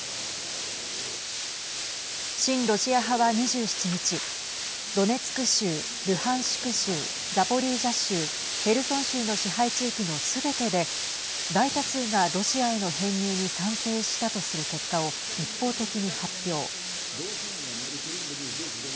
親ロシア派は２７日ドネツク州、ルハンシク州ザポリージャ州ヘルソン州の支配地域のすべてで大多数がロシアへの編入に賛成したとする結果を一方的に発表。